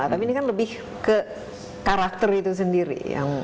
tapi ini kan lebih ke karakter itu sendiri